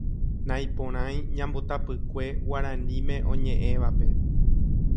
Naiporãi ñambotapykue Guaraníme oñeʼẽvape.